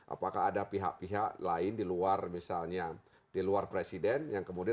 apakah ada pihak pihak lain di luar misalnya di luar presiden yang kemudian